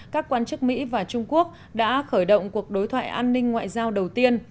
các quan chức mỹ và trung quốc đã khởi động cuộc đối thoại an ninh ngoại giao đầu tiên